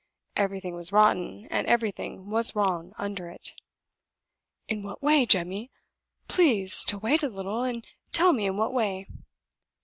Everything was rotten and everything was wrong under it." "In what way, Jemmy? Please to wait a little, and tell me in what way."